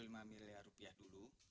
saya bayar seratus rupiah dulu